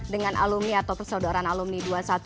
dengan alumni atau persaudaraan alumni dua ratus dua belas